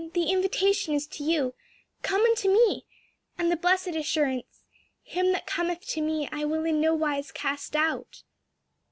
The invitation is to you, 'Come unto me;' and the blessed assurance, 'Him that cometh unto me, I will in no wise cast out.'"